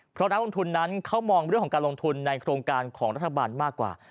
เพราะนักลงทุนนั้นเขามองเรื่องของการลงทุนในโครงการของรัฐบาลมากกว่า